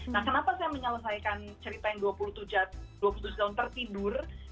nah kenapa saya menyelesaikan cerita yang dua puluh tujuh tahun tertidur